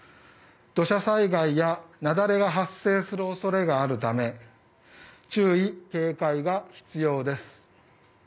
土砂災害や雪崩が発生する恐れがあるため注意・警戒が必要です。